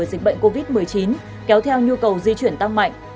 dịch bệnh covid một mươi chín kéo theo nhu cầu di chuyển tăng mạnh